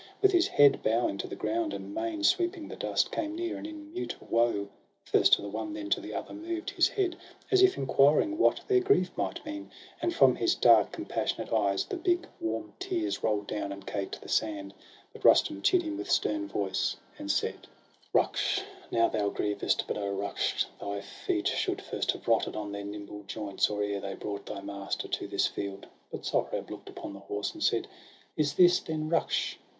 With his head bowing to the ground and mane Sweeping the dust, came near, and in mute woe First to the one then to the other moved His head, as if enquiring what their grief Might mean; and from his dark, compassionate eyes. The big warm tears roll'd down, and caked the sand. But Rustum chid him with stern voice, and said :—* Ruksh, now thou grievest ; but, O Ruksh, thy feet Should then have rotted on their nimble joints, When first they bore thy master to this field!' But Sohrab look'd upon the horse and said: —' Is this, then, Ruksh